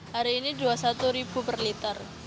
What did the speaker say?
hari ini rp dua puluh satu per liter